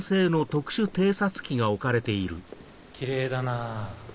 きれいだなぁ。